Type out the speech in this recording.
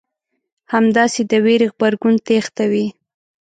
همداسې د وېرې غبرګون تېښته وي.